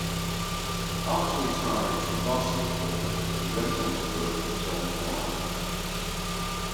After retiring from basketball, he went on to work for John Y.